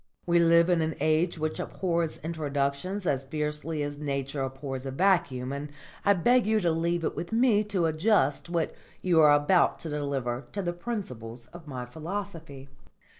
"We live in an age which abhors introductions as fiercely as Nature abhors a vacuum, and I beg you to leave it with me to adjust what you are about to deliver to the principles of my philosophy."